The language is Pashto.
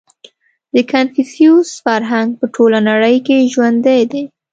• د کنفوسیوس فرهنګ په ټوله نړۍ کې ژوندی دی.